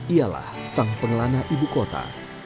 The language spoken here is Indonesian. ialah sang pengelana ibu kota